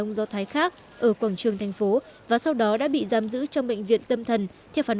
người khác ở quảng trường thành phố và sau đó đã bị giam giữ trong bệnh viện tâm thần theo phán